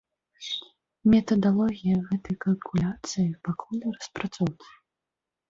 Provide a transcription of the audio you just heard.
Метадалогія гэтай калькуляцыі пакуль у распрацоўцы.